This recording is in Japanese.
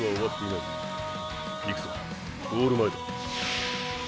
いくぞ「ゴール前」だ。